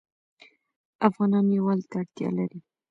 افغانان یووالي ته اړتیا لري.